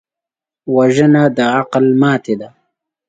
وژنه د عقل ماتې ده